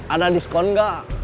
ada diskon gak